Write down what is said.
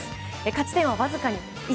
勝ち点はわずかに１。